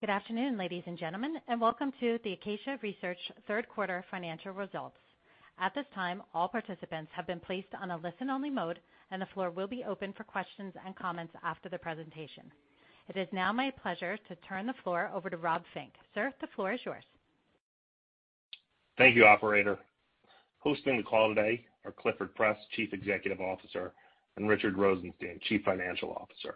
Good afternoon, ladies and gentlemen, and welcome to the Acacia Research Q3 Financial Results. At this time, all participants have been placed on a listen-only mode, and the floor will be open for questions and comments after the presentation. It is now my pleasure to turn the floor over to Rob Fink. Sir, the floor is yours. Thank you, operator. Hosting the call today are Clifford Press, Chief Executive Officer, and Richard Rosenstein, Chief Financial Officer.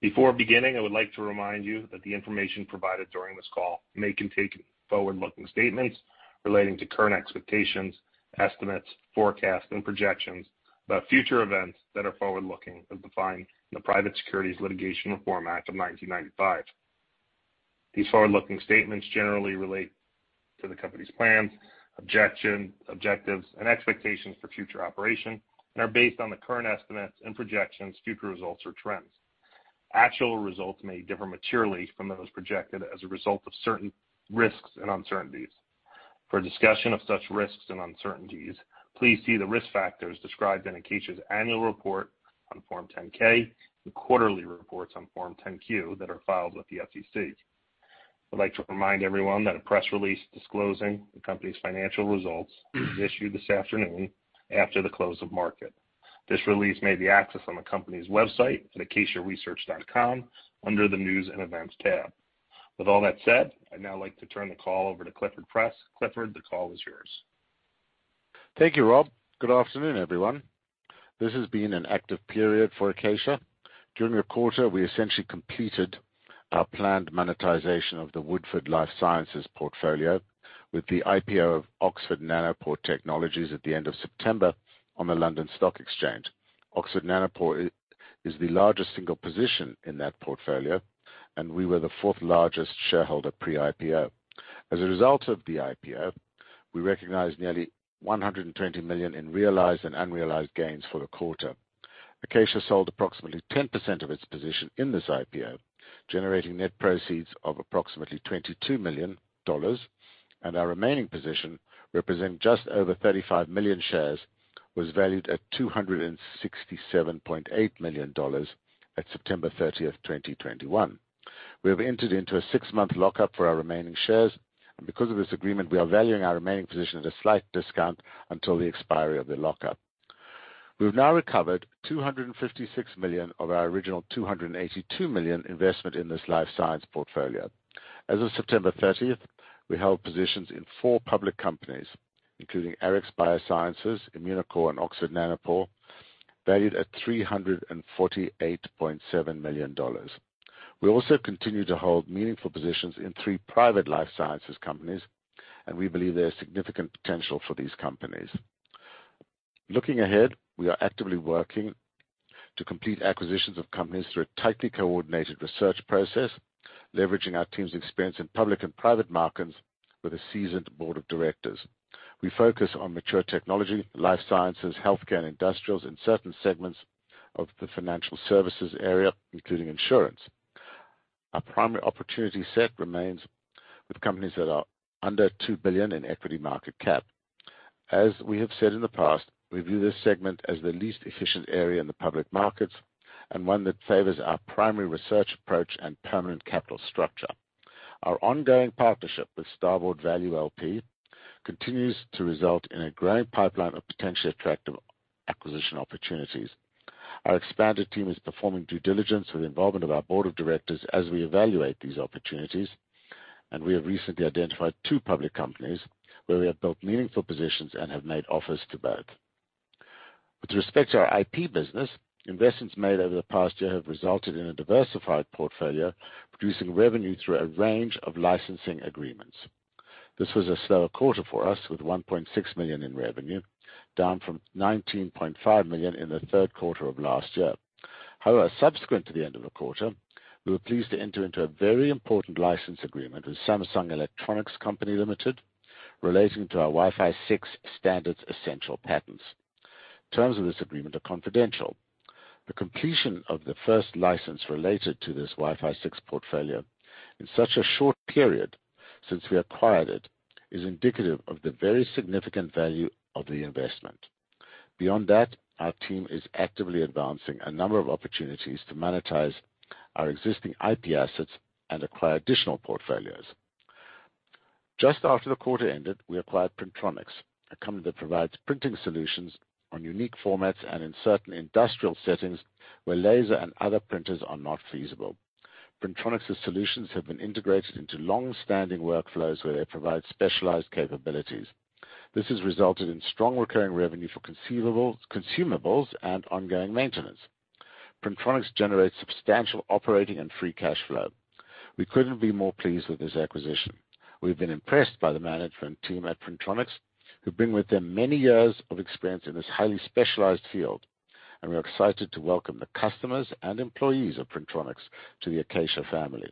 Before beginning, I would like to remind you that the information provided during this call may contain forward-looking statements relating to current expectations, estimates, forecasts, and projections about future events that are forward-looking as defined in the Private Securities Litigation Reform Act of 1995. These forward-looking statements generally relate to the company's plans, objectives, and expectations for future operation and are based on the current estimates and projections, future results or trends. Actual results may differ materially from those projected as a result of certain risks and uncertainties. For a discussion of such risks and uncertainties, please see the risk factors described in Acacia's annual report on Form 10-K and quarterly reports on Form 10-Q that are filed with the SEC. I'd like to remind everyone that a press release disclosing the company's financial results was issued this afternoon after the close of market. This release may be accessed on the company's website at acaciaresearch.com under the News and Events tab. With all that said, I'd now like to turn the call over to Clifford Press. Clifford, the call is yours. Thank you, Rob. Good afternoon, everyone. This has been an active period for Acacia. During the quarter, we essentially completed our planned monetization of the Woodford Life Sciences portfolio with the IPO of Oxford Nanopore Technologies at the end of September on the London Stock Exchange. Oxford Nanopore is the largest single position in that portfolio, and we were the fourth largest shareholder pre-IPO. As a result of the IPO, we recognized nearly $120 million in realized and unrealized gains for the quarter. Acacia sold approximately 10% of its position in this IPO, generating net proceeds of approximately $22 million, and our remaining position, representing just over 35 million shares, was valued at $267.8 million at September 30, 2021. We have entered into a six-month lock-up for our remaining shares, and because of this agreement, we are valuing our remaining position at a slight discount until the expiry of the lock-up. We've now recovered $256 million of our original $282 million investment in this life science portfolio. As of September 30, we held positions in 4 public companies, including Arix Bioscience, Immunocore, and Oxford Nanopore, valued at $348.7 million. We also continue to hold meaningful positions in 3 private life sciences companies, and we believe there is significant potential for these companies. Looking ahead, we are actively working to complete acquisitions of companies through a tightly coordinated research process, leveraging our team's experience in public and private markets with a seasoned board of directors. We focus on mature technology, life sciences, healthcare, and industrials in certain segments of the financial services area, including insurance. Our primary opportunity set remains with companies that are under $2 billion in equity market cap. As we have said in the past, we view this segment as the least efficient area in the public markets and one that favors our primary research approach and permanent capital structure. Our ongoing partnership with Starboard Value LP continues to result in a growing pipeline of potentially attractive acquisition opportunities. Our expanded team is performing due diligence with the involvement of our board of directors as we evaluate these opportunities, and we have recently identified two public companies where we have built meaningful positions and have made offers to both. With respect to our IP business, investments made over the past year have resulted in a diversified portfolio producing revenue through a range of licensing agreements. This was a slower quarter for us with $1.6 million in revenue, down from $19.5 million in the Q3 of last year. However, subsequent to the end of the quarter, we were pleased to enter into a very important license agreement with Samsung Electronics Co., Ltd. relating to our Wi-Fi 6 standards-essential patents. Terms of this agreement are confidential. The completion of the first license related to this Wi-Fi 6 portfolio in such a short period since we acquired it is indicative of the very significant value of the investment. Beyond that, our team is actively advancing a number of opportunities to monetize our existing IP assets and acquire additional portfolios. Just after the quarter ended, we acquired Printronix, a company that provides printing solutions on unique formats and in certain industrial settings where laser and other printers are not feasible. Printronix's solutions have been integrated into long-standing workflows where they provide specialized capabilities. This has resulted in strong recurring revenue for consumables and ongoing maintenance. Printronix generates substantial operating and free cash flow. We couldn't be more pleased with this acquisition. We've been impressed by the management team at Printronix, who bring with them many years of experience in this highly specialized field, and we are excited to welcome the customers and employees of Printronix to the Acacia family.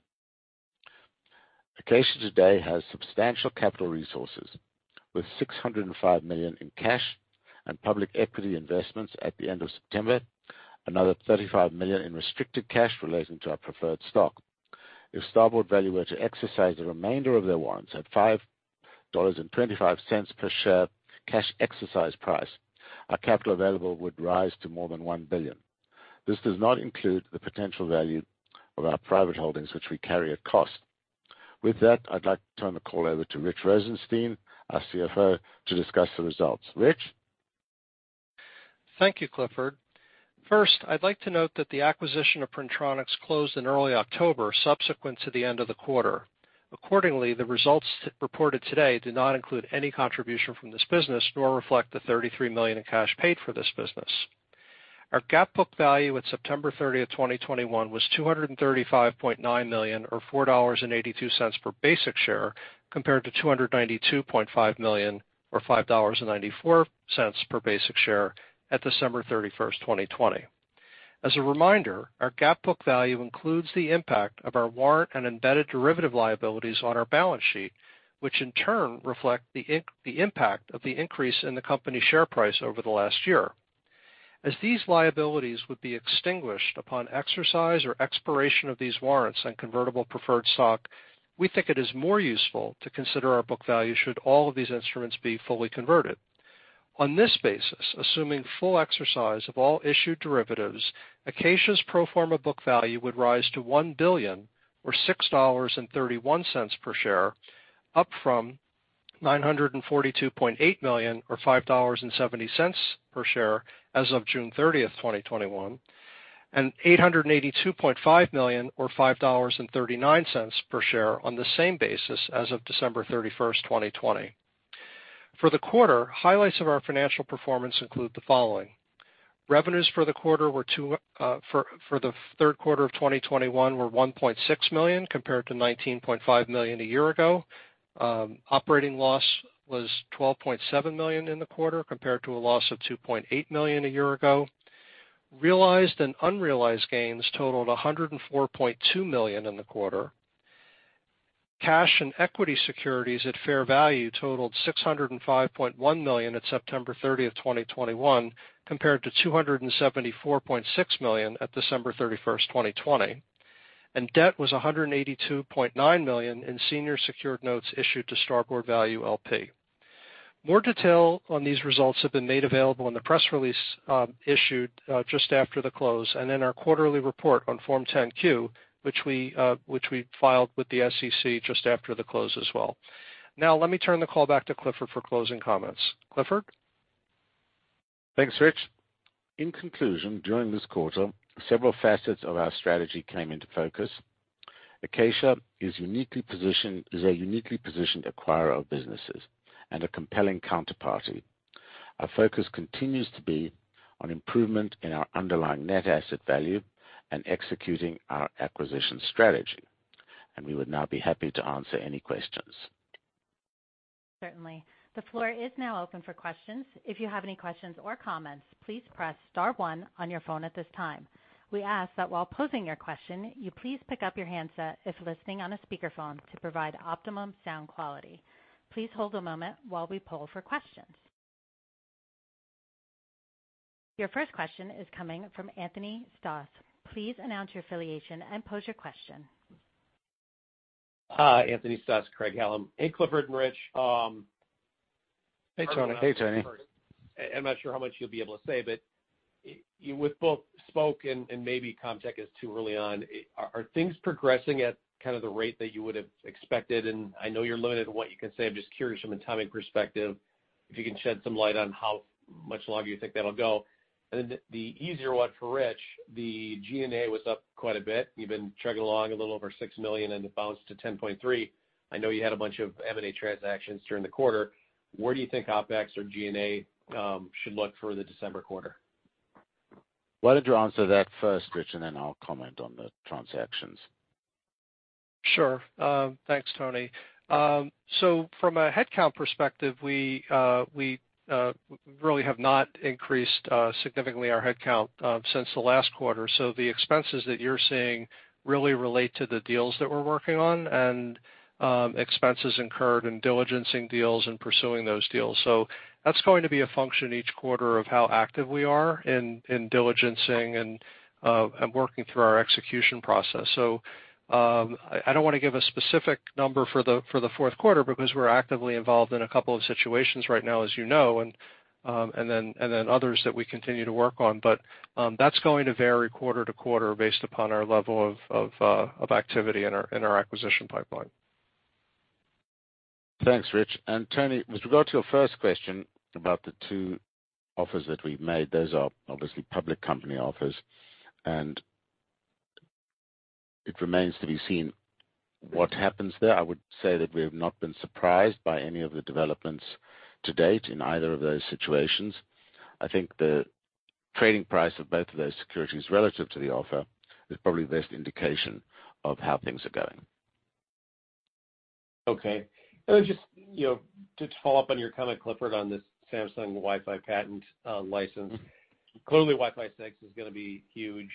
Acacia today has substantial capital resources with $605 million in cash and public equity investments at the end of September, another $35 million in restricted cash relating to our preferred stock. If Starboard Value were to exercise the remainder of their warrants at $5.25 per share cash exercise price. Our capital available would rise to more than $1 billion. This does not include the potential value of our private holdings, which we carry at cost. With that, I'd like to turn the call over to Rich Rosenstein, our CFO, to discuss the results. Rich? Thank you, Clifford. First, I'd like to note that the acquisition of Printronix closed in early October, subsequent to the end of the quarter. Accordingly, the results reported today do not include any contribution from this business, nor reflect the $33 million in cash paid for this business. Our GAAP book value at September 30, 2021 was $235.9 million or $4.82 per basic share compared to $292.5 million or $5.94 per basic share at December 31, 2020. As a reminder, our GAAP book value includes the impact of our warrant and embedded derivative liabilities on our balance sheet, which in turn reflect the impact of the increase in the company's share price over the last year. As these liabilities would be extinguished upon exercise or expiration of these warrants and convertible preferred stock, we think it is more useful to consider our book value should all of these instruments be fully converted. On this basis, assuming full exercise of all issued derivatives, Acacia's pro forma book value would rise to $1 billion or $6.31 per share, up from $942.8 million or $5.70 per share as of June 30, 2021, and $882.5 million or $5.39 per share on the same basis as of December 31, 2020. For the quarter, highlights of our financial performance include the following. Revenues for the Q3 of 2021 were $1.6 million compared to $19.5 million a year ago. Operating loss was $12.7 million in the quarter compared to a loss of $2.8 million a year ago. Realized and unrealized gains totaled $104.2 million in the quarter. Cash and equity securities at fair value totaled $605.1 million at September 30, 2021, compared to $274.6 million at December 31, 2020. Debt was $182.9 million in senior secured notes issued to Starboard Value LP. More detail on these results have been made available in the press release issued just after the close, and in our quarterly report on Form 10-Q, which we filed with the SEC just after the close as well. Now let me turn the call back to Clifford for closing comments. Clifford? Thanks, Rich. In conclusion, during this quarter, several facets of our strategy came into focus. Acacia is a uniquely positioned acquirer of businesses and a compelling counterparty. Our focus continues to be on improvement in our underlying net asset value and executing our acquisition strategy, and we would now be happy to answer any questions. Certainly. The floor is now open for questions. If you have any questions or comments, please press star one on your phone at this time. We ask that while posing your question, you please pick up your handset if listening on a speakerphone to provide optimum sound quality. Please hold a moment while we poll for questions. Your first question is coming from Anthony Stoss. Please announce your affiliation and pose your question. Hi, Anthony Stoss, Craig-Hallum. Hey, Clifford and Rich, Hey, Tony. Hey, Anthony. I'm not sure how much you'll be able to say, but with both Spok and maybe Comtech is too early on, are things progressing at the rate that you would have expected? I know you're limited in what you can say. I'm just curious from a timing perspective, if you can shed some light on how much longer you think that'll go. Then the easier one for Rich, the G&A was up quite a bit. You've been chugging along a little over $6 million, and it bounced to $10.3 million. I know you had a bunch of M&A transactions during the quarter. Where do you think OpEx or G&A should look for the December quarter? Why don't you answer that first, Rich, and then I'll comment on the transactions. Sure. Thanks, Tony. From a headcount perspective, we really have not increased significantly our headcount since the last quarter. The expenses that you're seeing really relate to the deals that we're working on and expenses incurred in diligencing deals and pursuing those deals. That's going to be a function each quarter of how active we are in diligencing and working through our execution process. I don't want to give a specific number for the Q4 because we're actively involved in a couple of situations right now, as you know, and then others that we continue to work on. That's going to vary quarter to quarter based upon our level of activity in our acquisition pipeline. Thanks, Rich. Anthony, with regard to your first question about the two offers that we've made, those are obviously public company offers, and it remains to be seen what happens there. I would say that we have not been surprised by any of the developments to date in either of those situations. I think the trading price of both of those securities relative to the offer is probably the best indication of how things are going. Okay. Just, you know, to follow up on your comment, Clifford, on this Samsung Wi-Fi patent license. Clearly Wi-Fi 6 is going to be huge.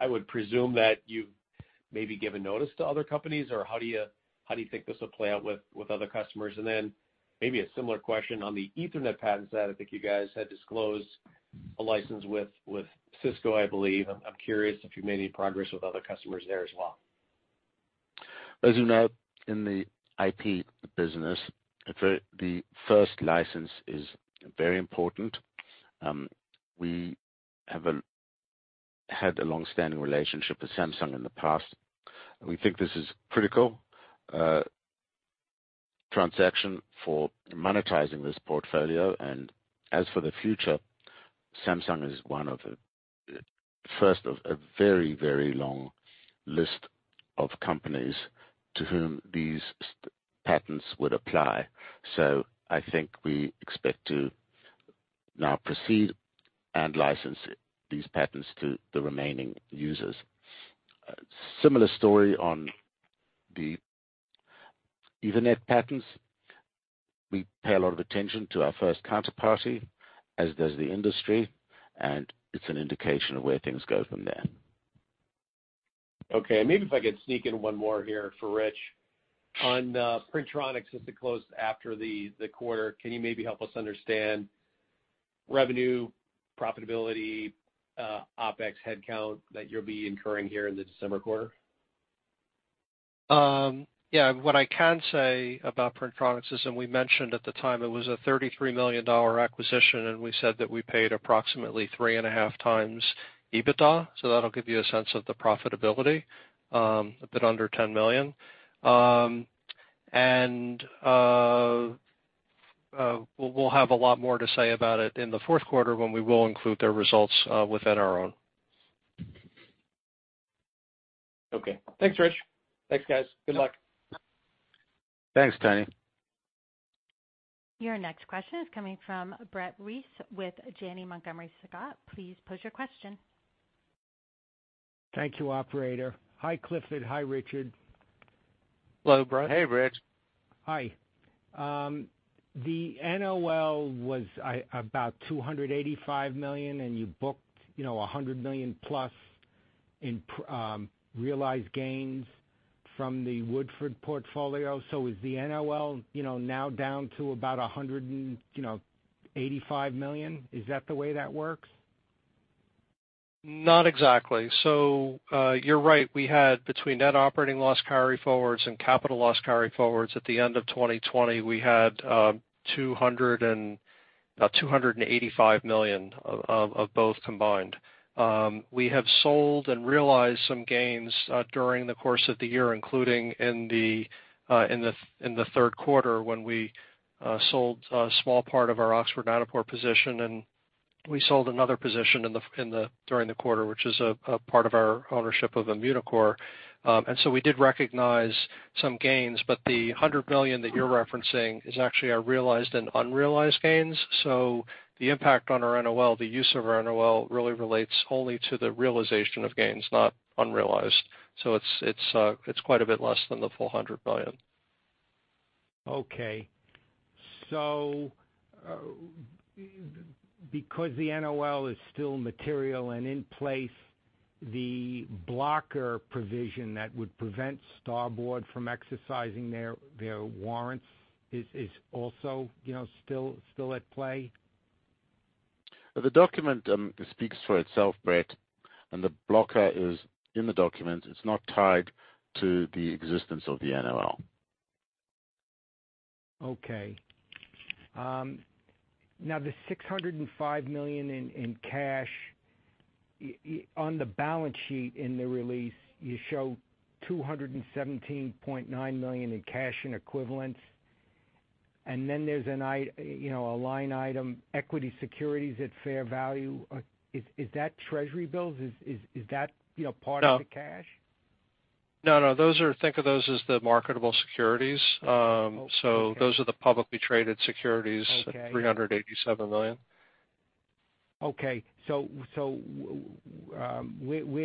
I would presume that you've maybe given notice to other companies, or how do you think this will play out with other customers? Maybe a similar question on the Ethernet patent side. I think you guys had disclosed a license with Cisco, I believe. I'm curious if you've made any progress with other customers there as well. As you know, in the IP business, the first license is very important. We had a long-standing relationship with Samsung in the past. We think this is critical transaction for monetizing this portfolio. As for the future, Samsung is one of the first of a very, very long list of companies to whom these patents would apply. I think we expect to now proceed and license these patents to the remaining users. Similar story on the Ethernet patents. We pay a lot of attention to our first counterparty, as does the industry, and it's an indication of where things go from there. Okay. Maybe if I could sneak in one more here for Rich. On Printronix since it closed after the quarter, can you maybe help us understand revenue, profitability, OpEx headcount that you'll be incurring here in the December quarter? What I can say about Printronix, as we mentioned at the time, it was a $33 million acquisition, and we said that we paid approximately 3.5x EBITDA. That'll give you a sense of the profitability, a bit under $10 million. We'll have a lot more to say about it in the Q4 when we will include their results within our own. Okay. Thanks, Rich. Thanks, guys. Good luck. Thanks, Tony. Your next question is coming from Brett Reiss with Janney Montgomery Scott. Please pose your question. Thank you, operator. Hi, Clifford. Hi, Richard. Hello, Brett. Hey, Brett. Hi. The NOL was about $285 million, and you booked, you know, $100 million-plus in realized gains from the Woodford portfolio. Is the NOL, you know, now down to about $185 million? Is that the way that works? Not exactly. You're right. We had between net operating loss carryforwards and capital loss carryforwards, at the end of 2020, we had $285 million of both combined. We have sold and realized some gains during the course of the year, including in the Q3 when we sold a small part of our Oxford Nanopore position, and we sold another position during the quarter, which is a part of our ownership of Immunocore. We did recognize some gains, but the $100 million that you're referencing is actually our realized and unrealized gains. The impact on our NOL, the use of our NOL really relates only to the realization of gains, not unrealized. It's quite a bit less than the full $100 million. Okay. Because the NOL is still material and in place, the blocker provision that would prevent Starboard from exercising their warrants is also, you know, still at play? The document speaks for itself, Brett, and the blocker is in the document. It's not tied to the existence of the NOL. Okay. Now, the $605 million in cash on the balance sheet in the release, you show $217.9 million in cash and equivalents. Then there's you know, a line item, equity securities at fair value. Is that treasury bills? Is that, you know, part of the cash? No, think of those as the marketable securities. Those are the publicly traded securities, $387 million. Okay. Where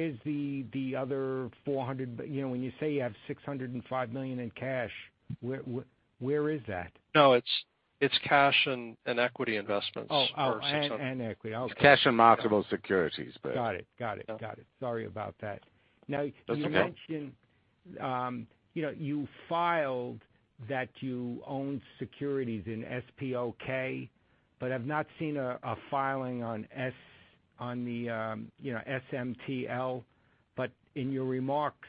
is the other 400—you know, when you say you have $605 million in cash, where is that? No, it's cash and equity investments are $600- Oh, and equity. Okay. It's cash and marketable securities, Brett. Got it. Got it. Yeah. Got it. Sorry about that. That's okay. Now, you mentioned, you know, you filed that you own securities in SPOK, but I've not seen a filing on the CMTL. In your remarks,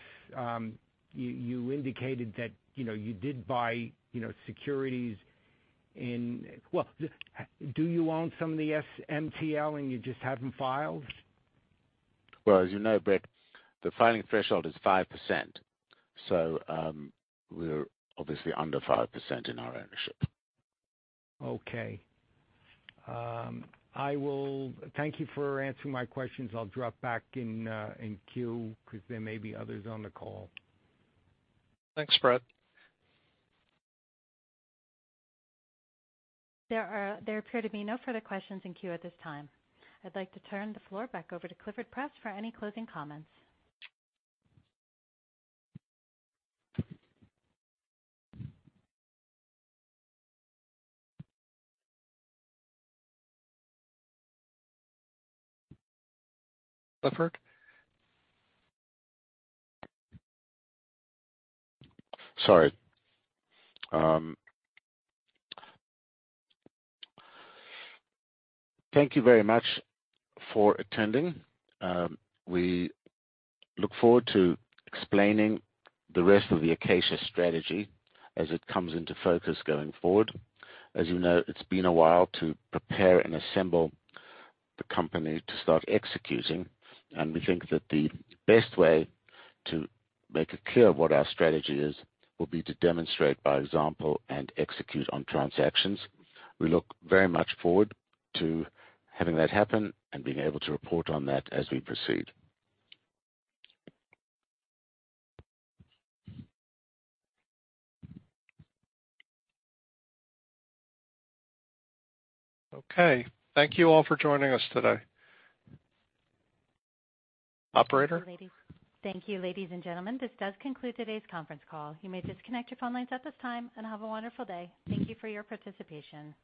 you indicated that, you know, you did buy, you know, securities. Well, do you own some of the CMTL and you just haven't filed? Well, as you know, Brett, the filing threshold is 5%, so we're obviously under 5% in our ownership. Okay. I will thank you for answering my questions. I'll drop back in queue because there may be others on the call. Thanks, Brett. There appear to be no further questions in queue at this time. I'd like to turn the floor back over to Clifford Press for any closing comments. Clifford? Sorry. Thank you very much for attending. We look forward to explaining the rest of the Acacia strategy as it comes into focus going forward. As you know, it's been a while to prepare and assemble the company to start executing, and we think that the best way to make it clear what our strategy is will be to demonstrate by example and execute on transactions. We look very much forward to having that happen and being able to report on that as we proceed. Okay. Thank you all for joining us today. Operator? Thank you, ladies and gentlemen. This does conclude today's conference call. You may disconnect your phone lines at this time and have a wonderful day. Thank you for your participation.